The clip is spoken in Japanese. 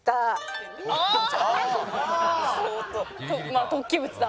まあ突起物だ。